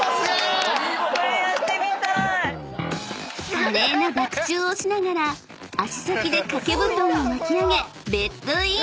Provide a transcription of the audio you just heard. ［華麗なバク宙をしながら足先で掛け布団を巻き上げベッドイン！］